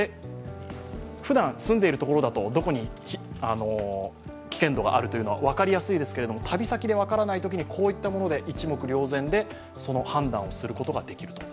ふだん、住んでいるところだと、どこに危険度があるというのは分かりやすいですけれども、旅先で分からないときにこういったもので一目瞭然で、その判断をすることができると。